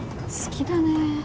好きだね